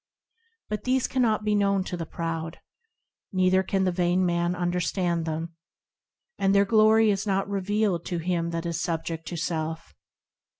But these cannot be known to the proud. Neither can the vain man understand them, And their glory is not revealed, to him that is subject to self.